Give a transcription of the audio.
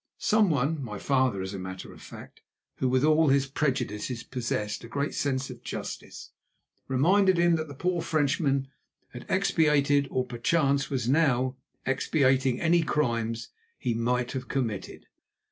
Someone, my father as a matter of fact, who with all his prejudices possessed a great sense of justice, reminded him that the poor Frenchman had expiated, or perchance was now expiating any crimes that he might have committed.